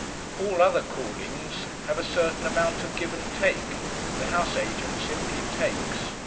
All other callings have a certain amount of give and take; the house agent simply takes.